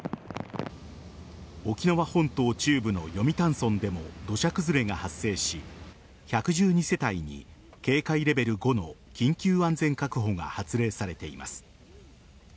沖縄本島中部の読谷村でも土砂崩れが発生し１１２世帯に警戒レベル５の緊急安全確保が発令されています。